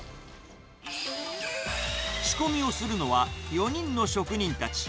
仕込みをするのは４人の職人たち。